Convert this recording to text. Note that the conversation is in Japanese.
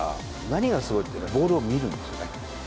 何がすごいって、ボールを見るんですよね。